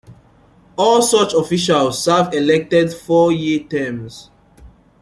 All such officials serve elected four-year terms.